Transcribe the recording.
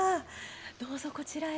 どうぞこちらへ。